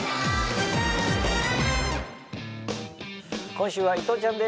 今週は伊藤ちゃんです